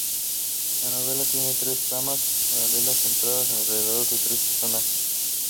La novela tiene tres tramas paralelas centradas alrededor de tres personajes.